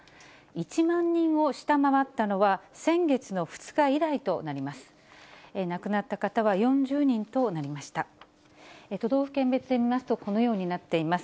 １万人を下回ったのは、先月の２日以来となります。